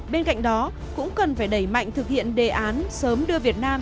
bên cạnh đó cũng cần phải đẩy mạnh thực hiện đề án sớm đưa việt nam